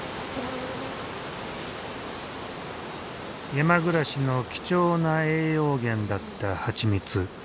山暮らしの貴重な栄養源だった蜂蜜。